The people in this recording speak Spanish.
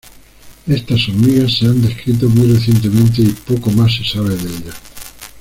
Estas hormigas se han descrito muy recientemente y poco más se sabe de ellas.